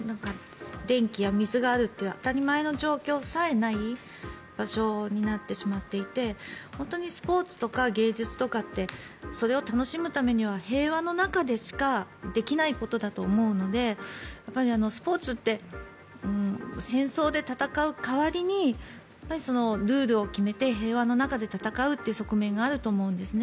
電気や水があるという当たり前の状況さえない場所になってしまっていて本当にスポーツとか芸術とかってそれを楽しむためには平和の中でしかできないことだと思うのでスポーツって戦争で戦う代わりにルールを決めて平和の中で戦うという側面があると思うんですね。